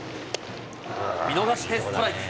見逃してストライク。